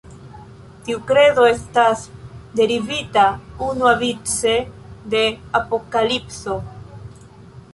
Tiu kredo estas derivita unuavice de Apokalipso.